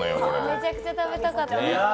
めちゃくちゃ食べたかったです。